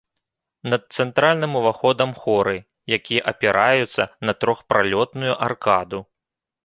Над цэнтральным уваходам хоры, якія апіраюцца на трохпралётную аркаду.